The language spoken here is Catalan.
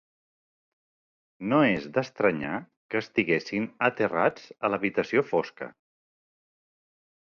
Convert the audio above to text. No és d'estranyar que estiguessin aterrats a l'habitació fosca.